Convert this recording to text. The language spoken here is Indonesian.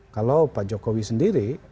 kalau pak jokowi sendiri